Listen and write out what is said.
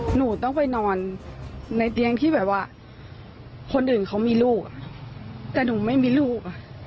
หนูต้องไปนอนในเตียงที่แบบว่าคนอื่นเขามีลูกแต่หนูไม่มีลูก